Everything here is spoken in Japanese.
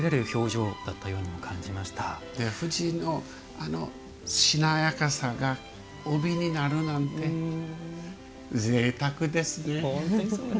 藤のしなやかさが帯になるなんてぜいたくですね。